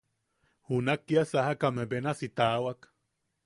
Junak kia sajakame benasi tawakan.